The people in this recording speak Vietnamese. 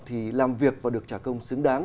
thì làm việc và được trả công xứng đáng